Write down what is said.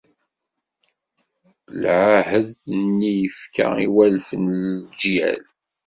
Lɛahed-nni yefka i walef n leǧyal.